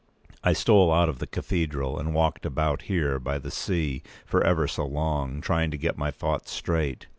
I stole out of the cathedral, and walked about here by the sea for ever so long, trying to get my thoughts straight.